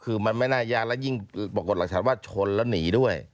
คือมันไม่น่ายากและยิ่งปรากฏหลักฐานว่าชนแล้วหนีด้วย